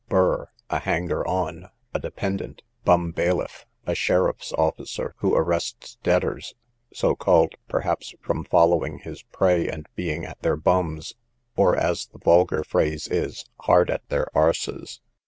Bur, a hanger on, a dependant. Bum bailiff, a sheriff's officer who arrests debtors; so called perhaps from following his prey, and being at their bums, or as the vulgar phrase is, hard at their a s.